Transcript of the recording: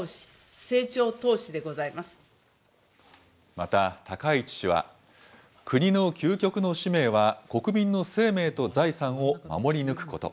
また、高市氏は、国の究極の使命は、国民の生命と財産を守り抜くこと。